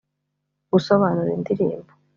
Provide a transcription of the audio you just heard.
Gusobanura indirimbo